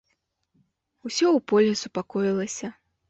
Усё ў полі супакоілася.